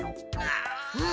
うん。